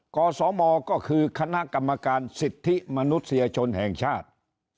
กศมก็คือคณะกรรมการสิทธิมนุษยชนแห่งชาติ